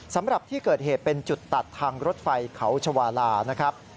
สำหรับที่เกิดเหตุเป็นจุดตัดทางรถไฟเขาชาวาลานะครับ